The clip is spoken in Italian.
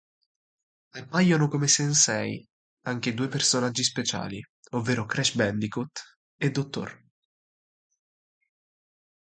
Appaiono come Sensei anche due personaggi speciali, ovvero Crash Bandicoot e Dr.